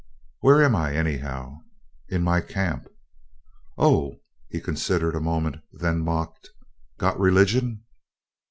"Where am I, anyhow?" "In my camp." "Oh." He considered a moment, then mocked, "Got religion?"